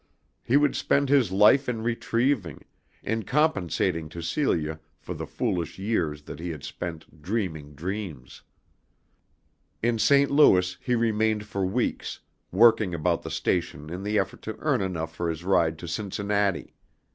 He would spend his life in retrieving, in compensating to Celia for the foolish years that he had spent dreaming dreams. In St. Louis he remained for weeks, working about the station in the effort to earn enough for his ride to Cincinnati.